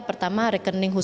pertama rekening khusus